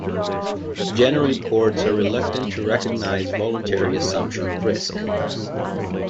Generally courts are reluctant to recognise voluntary assumption of risk.